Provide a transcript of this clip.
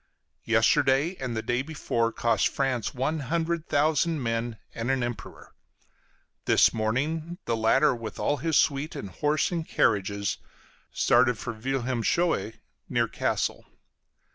Yesterday and the day before cost France one hundred thousand men and an Emperor. This morning the latter, with all his suite and horses and carriages, started for Wilhelmshöhe, near Cassel.